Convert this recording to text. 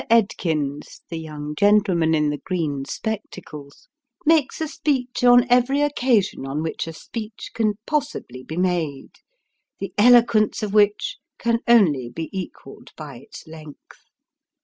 Edkins the young gentleman in the green spectacles makes a speech on every occasion on which a speech can possibly be made : the eloquence of which can only be equalled by its length.